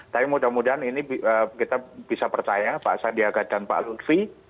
tapi mudah mudahan ini kita bisa percaya pak sandiaga dan pak lutfi